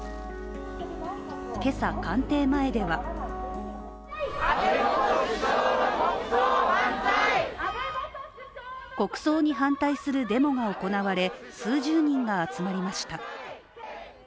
今朝、官邸前では国葬に反対するデモが行われ、数十人が集まりました。